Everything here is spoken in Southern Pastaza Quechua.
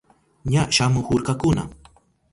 Ña shamuhurkakuna.